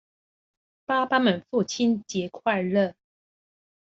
爸爸們父親節快樂！